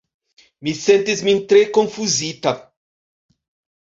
Mi sentis min tre konfuzita.